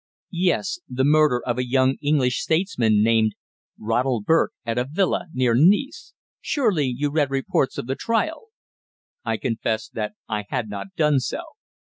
"Yes the murder of a young English statesman named Ronald Burke at a villa near Nice. Surely you read reports of the trial?" I confessed that I had not done so.